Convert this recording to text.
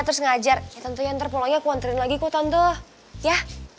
terus ngajar ya tante ya ntar pulangnya aku anterin lagi kok tante ya